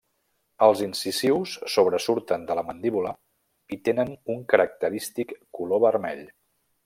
Els incisius sobresurten de la mandíbula i tenen un característic color vermell.